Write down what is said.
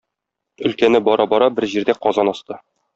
Өлкәне бара-бара бер җирдә казан асты.